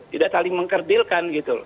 tidak saling mengkerdilkan gitu